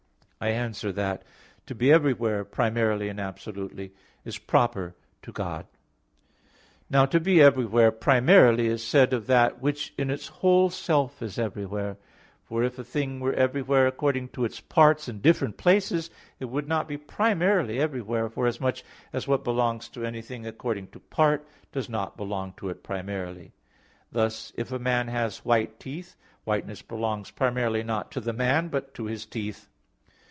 I answer that, To be everywhere primarily and absolutely, is proper to God. Now to be everywhere primarily is said of that which in its whole self is everywhere; for if a thing were everywhere according to its parts in different places, it would not be primarily everywhere, forasmuch as what belongs to anything according to part does not belong to it primarily; thus if a man has white teeth, whiteness belongs primarily not to the man but to his teeth.